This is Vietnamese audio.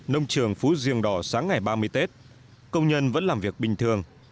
nông trường phú riêng đỏ sáng ngày ba mươi tết công nhân vẫn làm việc bình thường